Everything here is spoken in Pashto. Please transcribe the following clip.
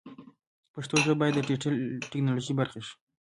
پښتو ژبه باید د ډیجیټل ټکنالوژۍ برخه شي.